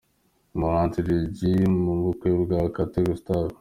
Umuhanzi Lil G mu bukwe bwa Kate Gustave.